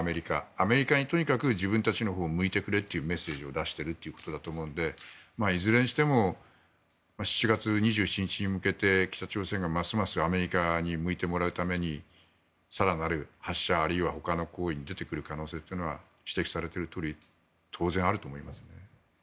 アメリカにとにかく自分たちのほうを向いてくれというメッセージを出しているということだと思うので、いずれにしても７月２７日に向けて北朝鮮がますますアメリカに向いてもらうために更なる発射あるいはほかの行為に出てくる可能性というのは指摘されているとおり当然あると思います。